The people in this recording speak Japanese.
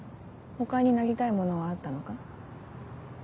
他になりたいものはあったのか？